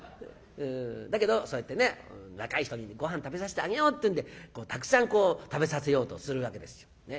だけどそうやってね若い人にごはん食べさしてあげようっていうんでたくさん食べさせようとするわけですよ。